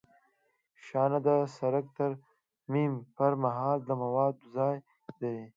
شانه د سرک د ترمیم پر مهال د موادو ځای دی